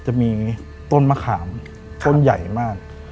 จะมีต้นมะขามต้นใหญ่มาก